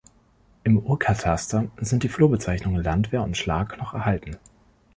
Im Urkataster sind die Flurbezeichnungen "Landwehr" und "Schlag" noch erhalten.